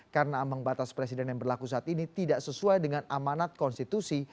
karena ambang batas presiden yang berlaku saat ini tidak sesuai dengan amanat konstitusi